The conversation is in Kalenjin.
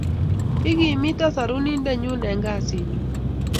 Igimita Sorunindennyu en kasit nyun